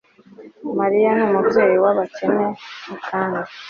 mariya ni umubyeyi w'abakene kandi